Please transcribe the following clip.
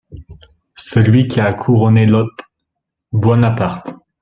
Celui qui a couronné l'emp … Buonaparte.